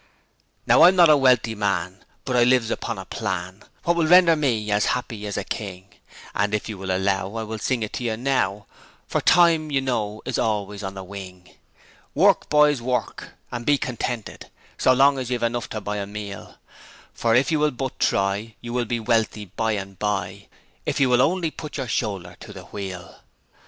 'Now I'm not a wealthy man, But I lives upon a plan Wot will render me as 'appy as a King; An' if you will allow, I'll sing it to you now, For time you know is always on the wing. Work, boys, work and be contented So long as you've enough to buy a meal. For if you will but try, you'll be wealthy bye and bye If you'll only put yer shoulder to the wheel.'